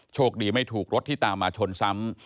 โชคดีไม่ถูกรถที่ตามมาชนซ้ำ